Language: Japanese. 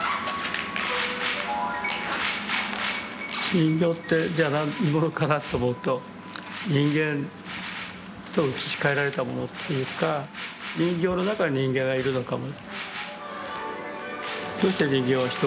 人形ってじゃ何者かなと思うと人間と移しかえられたものというか人形の中に人間がいるのかも。